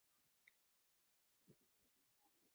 瓦卢瓦地区贝唐库尔。